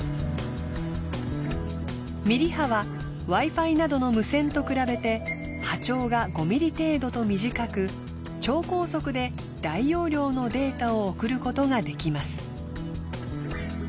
ミリ波はＷｉ−Ｆｉなどの無線と比べて波長が５ｍｍ程度と短く超高速で大容量のデータを送ることができます。